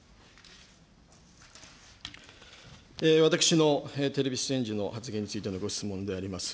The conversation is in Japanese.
私のテレビ出演時の発言についてのご質問であります。